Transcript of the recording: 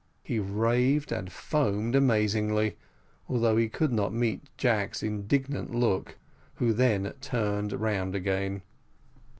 He raved and foamed amazingly, although he could not meet Jack's indignant look, who then turned round again.